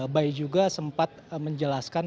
bayi juga sempat menjelaskan